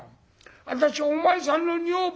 私お前さんの女房」。